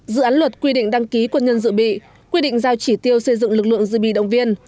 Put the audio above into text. dự án luật quy định đăng ký quân nhân dự bị quy định giao chỉ tiêu xây dựng lực lượng dự bị động viên